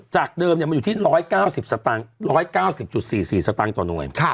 จากเดิมมันอยู่ที่๑๙๐๔๔สตางค์ต่อหน่วย